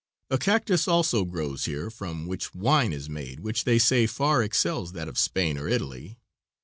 A cactus also grows here from which wine is made which they say far excels that of Spain or Italy.